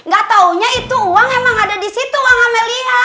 gak taunya itu uang emang ada disitu uang amelia